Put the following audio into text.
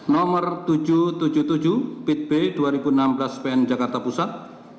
nomor tujuh ratus tujuh puluh tujuh bitb dua ribu enam belas pn jakarta pusat